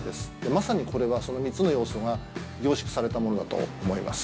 まさに、これはその３つの要素が凝縮されたものだと思います。